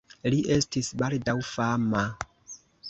Li estis baldaŭ fama.